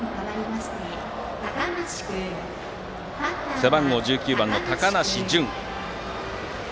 背番号１９番の高梨純。